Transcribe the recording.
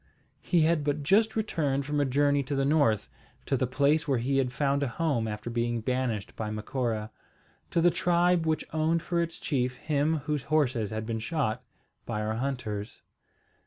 He had but just returned from a journey to the north, to the place where he had found a home after being banished by Macora, to the tribe which owned for its chief him whose horses had been shot by our hunters.